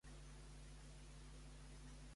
Quin caràcter tenia la Isabel?